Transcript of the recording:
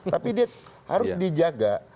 tapi dia harus dijaga